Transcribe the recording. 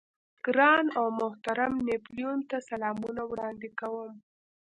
ګران او محترم نيپولېين ته سلامونه وړاندې کوم.